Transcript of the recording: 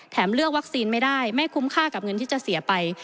เลือกวัคซีนไม่ได้ไม่คุ้มค่ากับเงินที่จะเสียไป